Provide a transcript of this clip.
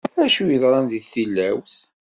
Acu yeḍran, deg tilawt?